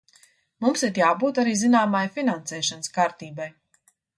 Mums ir jābūt arī zināmai finansēšanas kārtībai.